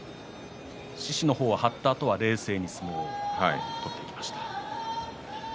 獅司の方は張ったあとに冷静に相撲を取りました。